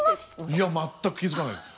いや全く気付かないです。